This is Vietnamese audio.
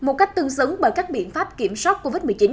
một cách tương xứng bởi các biện pháp kiểm soát covid một mươi chín